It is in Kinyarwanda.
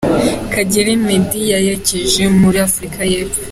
Kagere Meddy yerekeje muri Afurika y’Epfo.